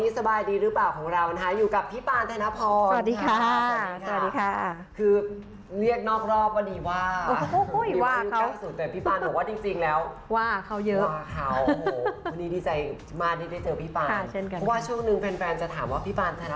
สบายดีหรือเปล่าข่าวไม่เคยรู้สืบดูเธอไม่อยู่แอบดูแวะหมด